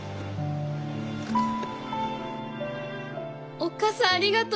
おっ母さんありがと。